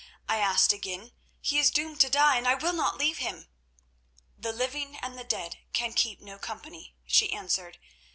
I asked again. 'He is doomed to die, and I will not leave him.' "'The living and the dead can keep no company,' she answered.